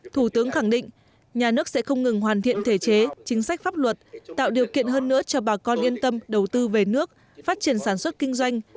thủ tướng khẳng định nhà nước sẽ không ngừng hoàn thiện thể chế chính sách pháp luật tạo điều kiện hơn nữa cho bà con yên tâm đầu tư về nước phát triển sản xuất kinh doanh